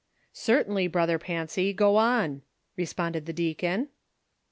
" Certahily, Brother Fancy, go on," responded the deacon.